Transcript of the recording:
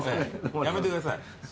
やめてください。